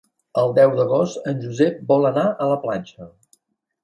El deu d'agost en Josep vol anar a la platja.